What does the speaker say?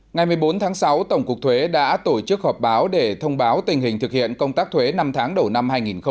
ngày một mươi bốn tháng sáu tổng cục thuế đã tổ chức họp báo để thông báo tình hình thực hiện công tác thuế năm tháng đầu năm hai nghìn hai mươi